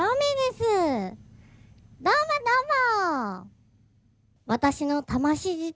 どうもどうも。